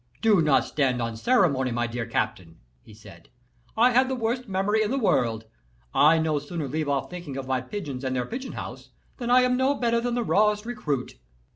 "Do not stand on ceremony, my dear captain," he said; "I have the worst memory in the world. I no sooner leave off thinking of my pigeons and their pigeon house, than I am no better than the rawest recruit."